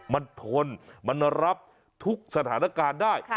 มันทนมันรับทุกสถานการณ์ได้